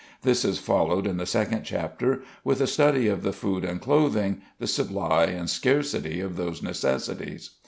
This is followed in the second chapter with a study of the food and clothing, the supply and scarcity of those necessities.